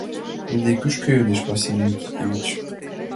— Ынде кушко? — йодеш Василий Никитьевич.